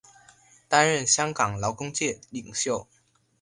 担任香港劳工界领袖。